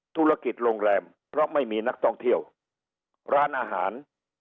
ธุรกิจโรงแรมเพราะไม่มีนักท่องเที่ยวร้านอาหาร